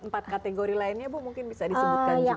empat kategori lainnya bu mungkin bisa disebutkan juga